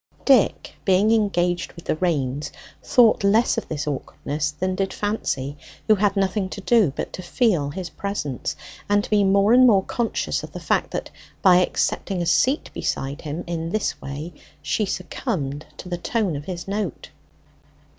Dick, being engaged with the reins, thought less of this awkwardness than did Fancy, who had nothing to do but to feel his presence, and to be more and more conscious of the fact, that by accepting a seat beside him in this way she succumbed to the tone of his note.